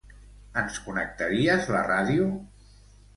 Ens connectaries la ràdio?